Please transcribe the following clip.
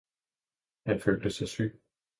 Han følte sig syg.